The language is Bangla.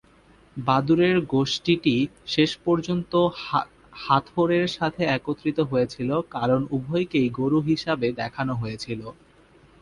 বাদুড়ের গোষ্ঠীটি শেষ পর্যন্ত হাথোর এর সাথে একত্রিত হয়েছিল কারণ উভয়কেই গরু হিসাবে দেখানো হয়েছিল।